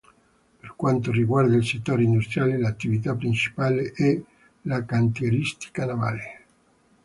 Per quanto riguarda il settore industriale l'attività principale è la cantieristica navale.